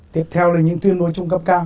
tiếp theo là những tuyên bố chung cấp cao